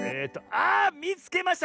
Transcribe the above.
あみつけました！